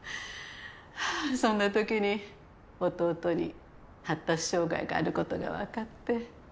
そんなときに弟に発達障害があることが分かって。